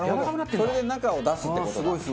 それで中を出すって事だ。